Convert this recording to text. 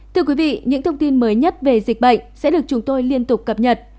thưa quý vị những thông tin mới nhất về dịch bệnh sẽ được chúng tôi liên tục cập nhật